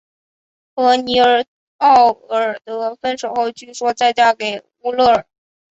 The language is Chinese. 和尼奥尔德分手后据说再嫁给乌勒尔。